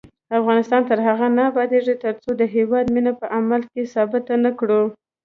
افغانستان تر هغو نه ابادیږي، ترڅو د هیواد مینه په عمل کې ثابته نکړو.